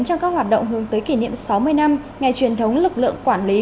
trong các hoạt động hướng tới kỷ niệm sáu mươi năm ngày truyền thống lực lượng quản lý